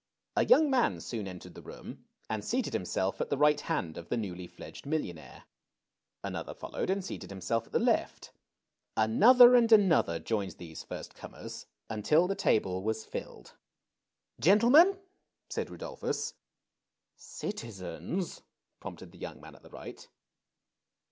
A young man soon entered the room, and seated himself at the right hand of the newly fledged millionaire. Another followed, and seated himself at the left. Another and another joined these first comers, until the table was filled. Gentlemen "— said Rudolphus. Citizens^'' prompted the young man at the right.